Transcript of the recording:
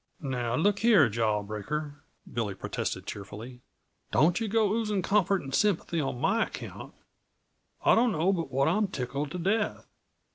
"Now look here, Jawbreaker," Billy protested cheerfully, "don't yuh go oozing comfort and sympathy on my account. I don't know but what I'm tickled to death.